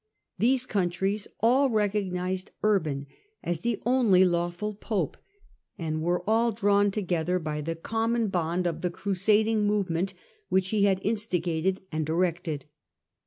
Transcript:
These countries all recognised Urban as the only law ful pope, and were all drawn together by the common Digitized by VjOOQIC 174 ^ HtLDRBRAND bond of the crnsading movement which he had instigated and directed.